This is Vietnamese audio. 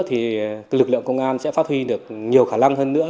thì lực lượng công an sẽ phát huy được nhiều khả năng hơn nữa